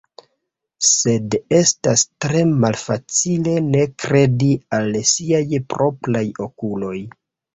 Sed estas tre malfacile ne kredi al siaj propraj okuloj.